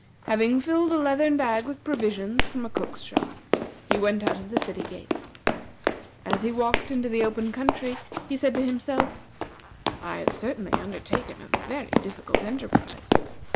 Having filled a leathern bag with provisions from a cook's shop, he went out of the city gates. As he walked into the open country, he said to himself: "I have certainly undertaken a very difficult enterprise.